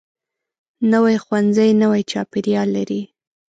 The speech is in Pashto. نوی ښوونځی نوی چاپیریال لري